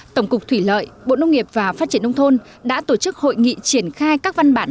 tổng cục thủy lợi bộ nông nghiệp và phát triển nông thôn đã tổ chức hội nghị triển khai các văn bản